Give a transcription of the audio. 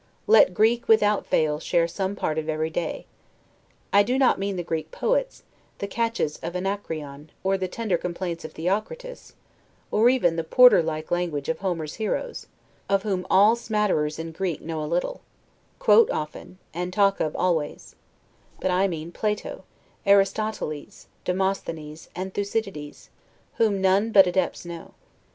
Let Greek, without fail, share some part of every day; I do not mean the Greek poets, the catches of Anacreon, or the tender complaints of Theocritus, or even the porter like language of Homer's heroes; of whom all smatterers in Greek know a little, quote often, and talk of always; but I mean Plato, Aristoteles, Demosthenes, and Thucydides, whom none but adepts know.